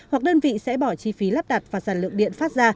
hoặc đơn vị sẽ bỏ chi phí lắp đặt và sản lượng điện phát ra